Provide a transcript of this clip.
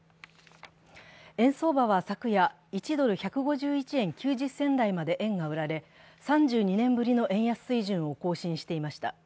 円相場は昨夜、１ドル＝１５１円９０銭台まで円が売られ、３２年ぶりの円安水準を更新していました。